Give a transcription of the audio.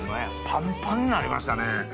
パンパンになりましたね。